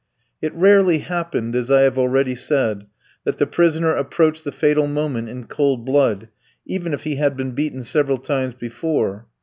It rarely happened, as I have already said, that the prisoner approached the fatal moment in cold blood, even if he had been beaten several times before.